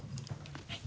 はい。